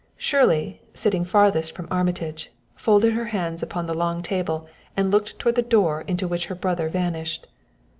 Shirley, sitting farthest from Armitage, folded her hands upon the long table and looked toward the door into which her brother vanished.